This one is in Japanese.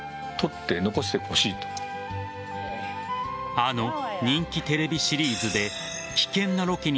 あの人気テレビシリーズで危険なロケに